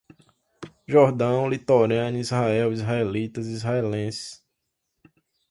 Jordão, litorânea, Israel, israelitas, israelenses